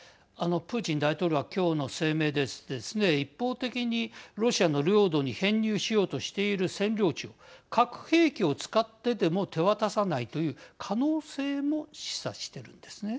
プーチン大統領は今日の声明で一方的にロシアの領土に編入しようとしている占領地を核兵器を使ってでも手渡さないという可能性も示唆しているんですね。